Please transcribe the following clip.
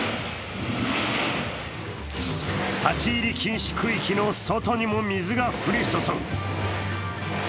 立ち入り禁止区域の外にも水が降り注ぐ。